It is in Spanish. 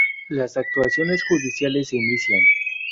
Las actuaciones judiciales se inician.